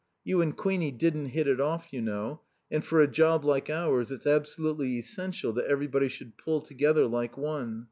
You and Queenie didn't hit it off, you know, and for a job like ours it's absolutely essential that everybody should pull together like one.